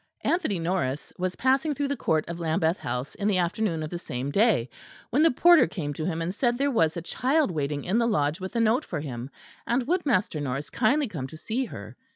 Anthony Norris was passing through the court of Lambeth House in the afternoon of the same day, when the porter came to him and said there was a child waiting in the Lodge with a note for him; and would Master Norris kindly come to see her.